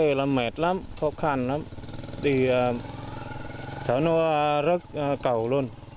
khi đi là mệt lắm khó khăn lắm thì xã nó rớt cầu luôn